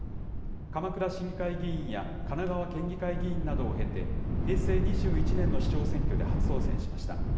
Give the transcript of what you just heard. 鎌倉市議会議員や神奈川県議会議員などを経て、平成２１年の市長選挙で初当選しました。